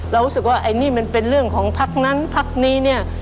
รู้สึกว่าไอ้นี่มันเป็นเรื่องของพักนั้นพักนี้เนี่ย